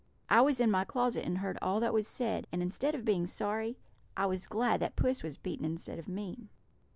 I was in my closet and heard all that was said, and instead of being sorry, I was glad that puss was beaten instead of me.